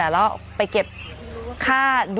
กล้วยทอด๒๐๓๐บาท